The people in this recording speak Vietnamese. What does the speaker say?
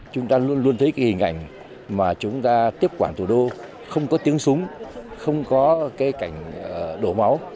chúng ta luôn luôn thấy cái hình ảnh mà chúng ta tiếp quản thủ đô không có tiếng súng không có cái cảnh đổ máu